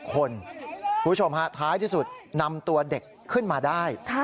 คุณผู้ชมฮะท้ายที่สุดนำตัวเด็กขึ้นมาได้